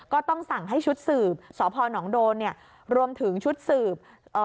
ก็ต้องสั่งให้ชุดสืบสพนโดนเนี่ยรวมถึงชุดสืบ